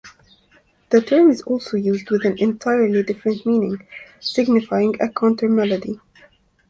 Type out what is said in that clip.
The term is also used with an entirely different meaning, signifying a countermelody.